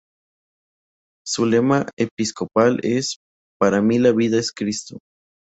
Su lema episcopal es: "Para mí la vida es Cristo".